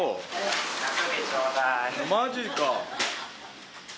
マジか。